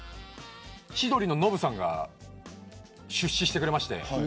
千鳥のノブさんが出資してくれまして。